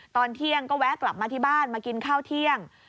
ตอนเที่ยงก็แวะกลับมาที่บ้านมากินข้าวเที่ยง